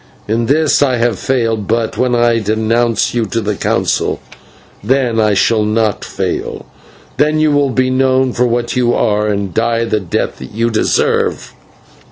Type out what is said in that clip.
In this I have failed, but when I denounce you to the Council, then I shall not fail; then you will be known for what you are, and die the death that you deserve."